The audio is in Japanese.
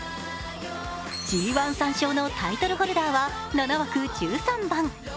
ＧⅠ、３勝のタイトルホルダーは７枠１３番。